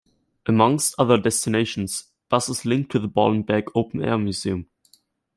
Amongst other destinations, buses link to the Ballenberg open-air museum.